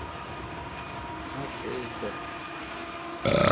مٹھ ا بِس دہ۔